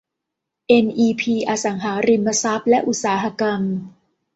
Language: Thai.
เอ็นอีพี อสังหาริมทรัพย์ และอุตสาหกรรม